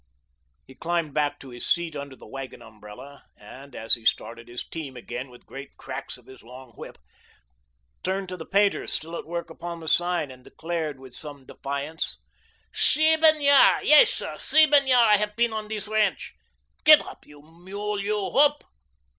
He climbed back to his seat under the wagon umbrella, and, as he started his team again with great cracks of his long whip, turned to the painters still at work upon the sign and declared with some defiance: "Sieben yahr; yais, sir, seiben yahr I hef been on dis rench. Git oop, you mule you, hoop!"